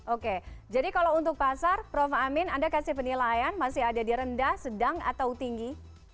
oke jadi kalau untuk pasar prof amin anda kasih penilaian masih ada di rendah sedang atau tinggi